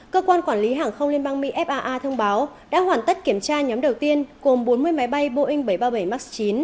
cơ quan quản lý hàng không liên bang mỹ faa thông báo đã hoàn tất kiểm tra nhóm đầu tiên gồm bốn mươi máy bay boeing bảy trăm ba mươi bảy max chín